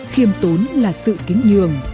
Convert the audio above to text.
khiêm tốn là sự kín nhường